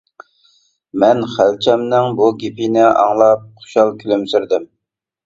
مەن خەلچەمنىڭ بۇ گېپىنى ئاڭلاپ خۇشال كۈلۈمسىرىدىم.